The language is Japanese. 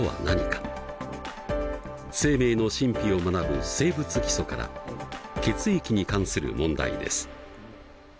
生命の神秘を学ぶ「生物基礎」から血液に関する問題です。